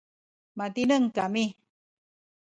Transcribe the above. matineng kami